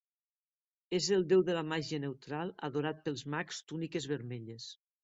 És el déu de la màgia neutral, adorat pels mags túniques vermelles.